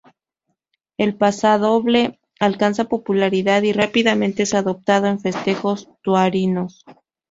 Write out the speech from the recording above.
El pasodoble alcanza popularidad y rápidamente es adoptado en festejos taurinos.